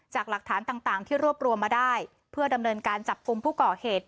จากหลักฐานต่างที่รวบรวมมาได้เพื่อดำเนินการจับกลุ่มผู้ก่อเหตุ